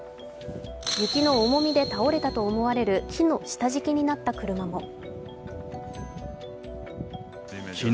雪の重みで倒れたと思われる木の下敷きになった車も。